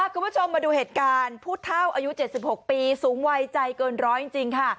คุณผู้ชมมาดูเหตุการณ์ผู้เท่าอายุ๗๖ปีสูงวัยใจเกินร้อยจริงค่ะ